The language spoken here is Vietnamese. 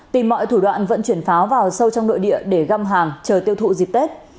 tìm mọi thủ đoạn vận chuyển pháo vào sâu trong nội địa để găm hàng chờ tiêu thụ dịp tết